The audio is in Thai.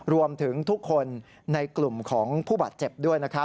รวมถึงทุกคนในกลุ่มของผู้บัตรเจ็บด้วย